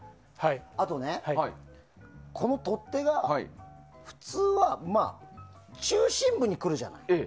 あとね、この取っ手が普通は中心部に来るじゃない。